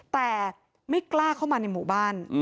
แต่ไม่กล้าเข้ามาในหมู่บ้าน